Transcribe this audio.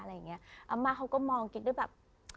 อาม่าเขาก็มองกิ๊กด้วยแบบ